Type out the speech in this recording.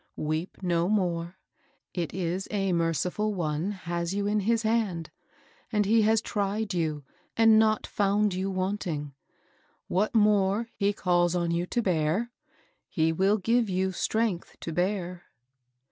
Weep no more. It is a merciful One has you in his hand, and he has tried you and not found you wanting. What more he calls on you to bear, he will give you strength to bear."